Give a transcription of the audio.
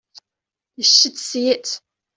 You should see it.